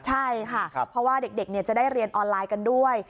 ใช่ค่ะเพราะว่าเด็กจะได้เรียนออนไลน์กันด้วย